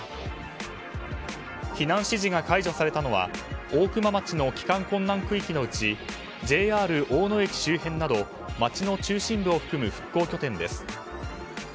避難指示が解除されたのは大熊町の帰還困難区域のうちＪＲ大野駅周辺など街の中心部を含む復興拠点です。